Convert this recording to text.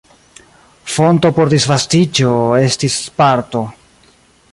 Fonto por disvastiĝo estis Sparto.